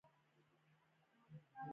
يوه پوځي په خواره خوله وويل: صېب!